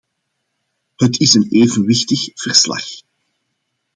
Het is een evenwichtig verslag.